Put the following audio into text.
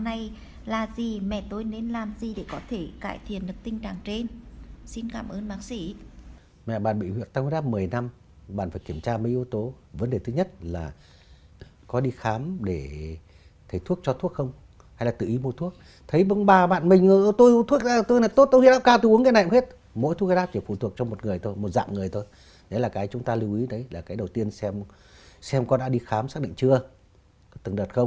đấy là những cái mà trong cái chế độ uống thuốc